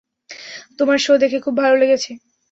তোমার শো দেখে খুব ভালো লেগেছে।